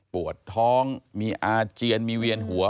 ปวดท้องมีอาเจียนมีเวียนหัว